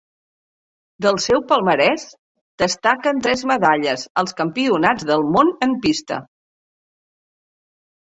Del seu palmarès destaquen tres medalles als Campionats del Món en pista.